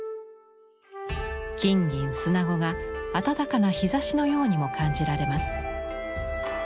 金銀砂子が暖かな日ざしのようにも感じられます。